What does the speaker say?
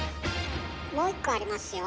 もう一個ありますよ。